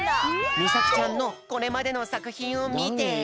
みさきちゃんのこれまでのさくひんをみて！